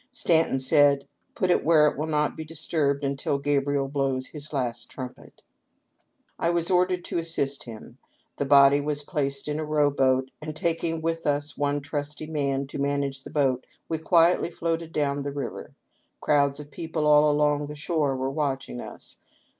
Stanton said, ' Put it where it will not be disturbed until Gabriel blows his last trumpet.' I was ordered to assist him. The body was placed in a row boat, and, taking with us one trusty man to manage the boat, we quietly floated down the riv'er. Crowds of people all along the shore were watching us.